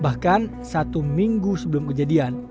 bahkan satu minggu sebelum kejadian